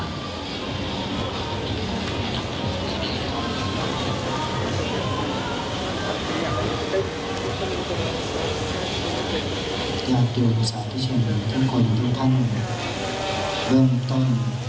ทุกคนต้องเริ่มต้อนรับปีใหม่